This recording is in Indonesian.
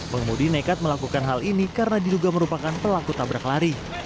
pengemudi nekat melakukan hal ini karena diduga merupakan pelaku tabrak lari